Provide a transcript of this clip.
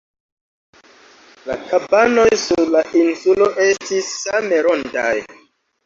La kabanoj sur la insulo estis same rondaj.